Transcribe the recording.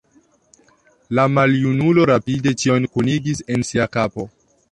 La maljunulo rapide ĉion kunigis en sia kapo.